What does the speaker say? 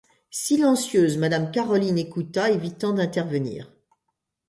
Silencieuse, Madame Caroline écouta, évitant d'intervenir.